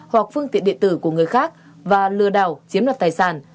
hoặc phương tiện điện tử của người khác và lừa đảo chiếm đoạt tài sản